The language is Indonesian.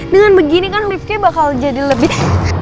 dengan begini kan miftnya bakal jadi lebih